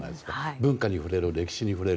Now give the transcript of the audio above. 文化に触れる、歴史に触れる。